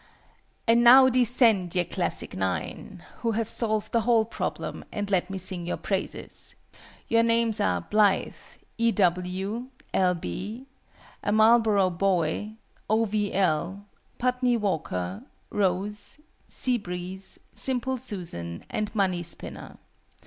And now "descend, ye classic Nine!" who have solved the whole problem, and let me sing your praises. Your names are BLITHE, E. W., L. B., A MARLBOROUGH BOY, O. V. L., PUTNEY WALKER, ROSE, SEA BREEZE, SIMPLE SUSAN, and MONEY SPINNER.